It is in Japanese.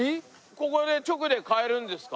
ここで直で買えるんですか？